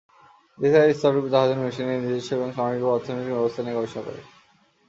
দ্বিতাইয় স্তর জাহাজের মেশিন, এর নিজস্ব এবং সামরিক বা অর্থনৈতিক ব্যবস্থা নিয়ে গবেষণা করে।